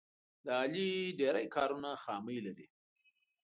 د علي ډېری کارونه خامي لري.